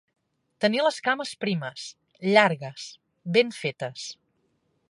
Tenir les cames primes, llargues, ben fetes.